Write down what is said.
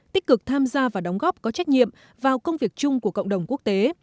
tích cực tham gia và đóng góp có trách nhiệm vào công việc chung của cộng đồng quốc tế